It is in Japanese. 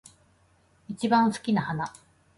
一番好きな花